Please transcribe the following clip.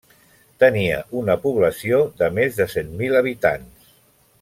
Tenia una població de més de cent mil habitants.